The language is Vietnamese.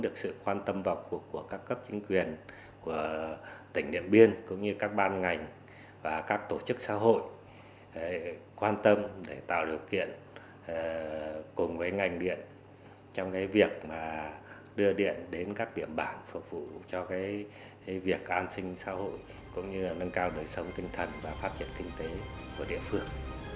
cùng với ngành điện trong việc đưa điện đến các địa bàn phục vụ cho việc an sinh xã hội cũng như nâng cao đời sống tinh thần và phát triển kinh tế của địa phương